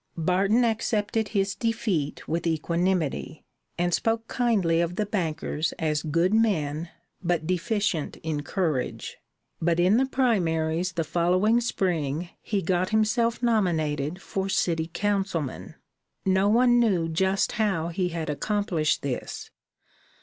Barton accepted his defeat with equanimity and spoke kindly of the bankers as good men but deficient in courage. But in the primaries the following spring he got himself nominated for city councilman. No one knew just how he had accomplished this.